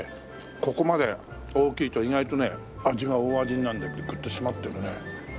ここまで大きいと意外とね味が大味になるんだけどクッとしまってるね。